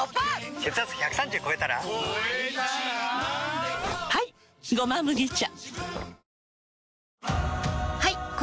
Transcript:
血圧１３０超えたら超えたらはい「胡麻麦茶」